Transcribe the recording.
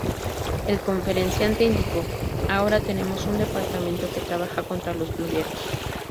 El conferenciante indicó: "ahora tenemos un departamento que trabaja contra los blogueros".